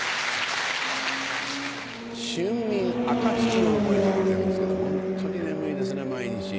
「春眠暁を覚えず」っていいますけどホントに眠いですね毎日。